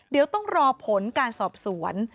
เดี๋ยวต้องรอผลการสอบสวน